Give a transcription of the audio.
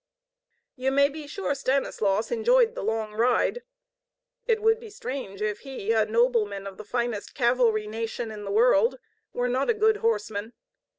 You may be sure Stanislaus enjoyed the long ride. It would be strange if he, a nobleman of the finest cavalry nation in the world, were not a good horseman.